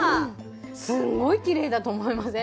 すんごいきれいだと思いません？